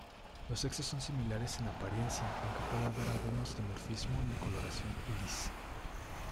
Los sexos son similares en apariencia aunque puede haber algunos dimorfismo en coloración iris.